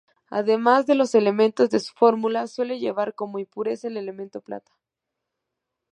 Además de los elementos de su fórmula, suele llevar como impureza el elemento plata.